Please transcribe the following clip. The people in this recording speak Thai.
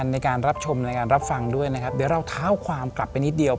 ในการรับชมในการรับฟังด้วยนะครับเดี๋ยวเราเท้าความกลับไปนิดเดียว